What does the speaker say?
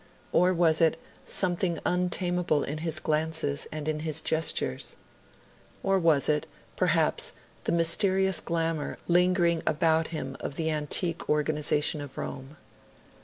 Or was it something untameable in his glances and in his gestures? Or was it, perhaps, the mysterious glamour lingering about him, of the antique organisation of Rome?